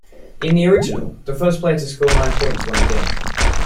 In the original, the first player to score nine points won the game.